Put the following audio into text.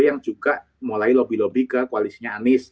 yang juga mulai lobby lobby ke koalisinya anies